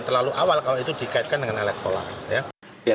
terlalu awal kalau itu dikaitkan dengan alat pola